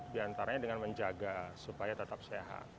diantaranya dengan menjaga supaya tetap sehat